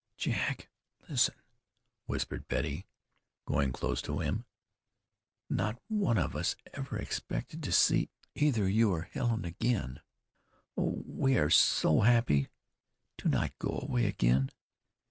"Jack, listen," whispered Betty, going close to him. "Not one of us ever expected to see either you or Helen again, and oh! we are so happy. Do not go away again.